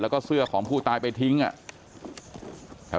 แล้วก็เสื้อของผู้ตายไปทิ้งอ่ะ